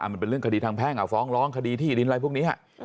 มันเป็นเรื่องคดีทางแพ่งฟ้องร้องคดีที่ดินอะไรพวกนี้